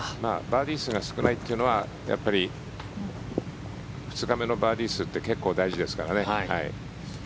バーディー数が少ないというのはやっぱり２日目のバーディー数って結構大事ですからね。